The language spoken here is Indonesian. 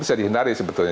bisa dihindari sebetulnya